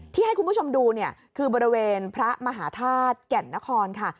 ที่ให้คุณผู้ชมดูเนี่ยคือบริเวณพระมหาธาตุแก่นนครค่ะ